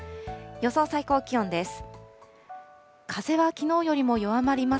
予想最高気温です。